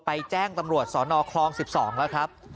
แจ้งตำรวจสนคลอง๑๒แล้วครับ